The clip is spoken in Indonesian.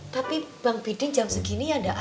tapi bang bidin jam segini ya ga ada tau pak